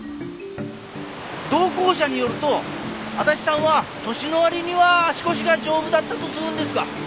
同行者によると足立さんは年の割には足腰が丈夫だったっつうんですが。